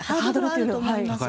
あると思います。